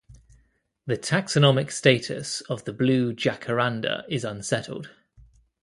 The taxonomic status of the blue jacaranda is unsettled.